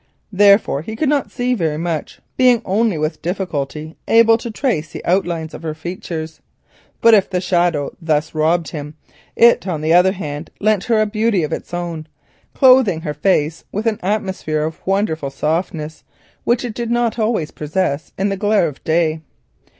Therefore, he could not see very much, being with difficulty able to trace the outlines of her features, but if the shadow thus robbed him, it on the other hand lent her a beauty of its own, clothing her face with an atmosphere of wonderful softness which it did not always possess in the glare of day.